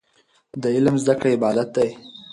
د علم زده کړه عبادت دی.